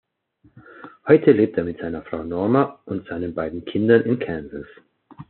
Heute lebt er mit seiner Frau Norma und seinen beiden Kindern in Kansas.